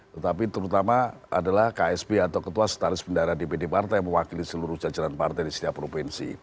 tetapi terutama adalah ksp atau ketua setaris bendara dpd partai mewakili seluruh jajaran partai di setiap provinsi